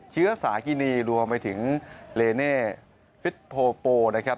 เชื้อสากินีรวมไปถึงเลเน่ฟิตโพโปนะครับ